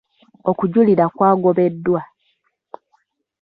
Okujulira kwagobeddwa.